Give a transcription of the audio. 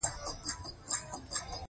ایا تاسو په ښار کې ژوند کوی؟